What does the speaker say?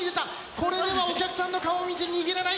これではお客さんの顔を見て握れない。